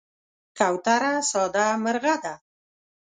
کوتره ساده مرغه ده.